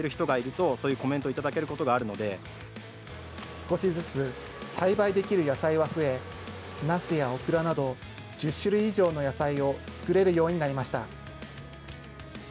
少しずつ、栽培できる野菜は増え、ナスやオクラなど、１０種類以上の野菜を作れるようになりました。